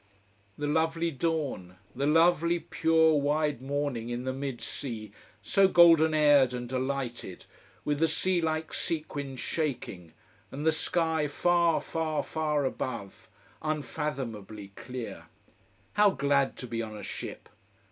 The lovely dawn: the lovely pure, wide morning in the mid sea, so golden aired and delighted, with the sea like sequins shaking, and the sky far, far, far above, unfathomably clear. How glad to be on a ship!